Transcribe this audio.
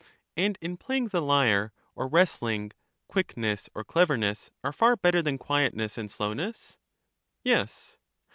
And in playing the lyre, or wrestling, quickness or cleverness are far better than quietness and slowness? Yes.